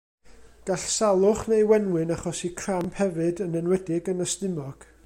Gall salwch neu wenwyn achosi cramp hefyd, yn enwedig yn y stumog.